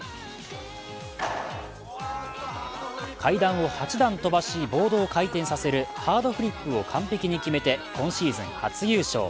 階段を８段飛ばしボードを回転させるハードフリップを完璧に決めて今シーズン初優勝。